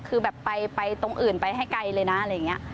คือแบบไปตรงอื่นไปให้ไกลเลยนะอะไรอย่างนี้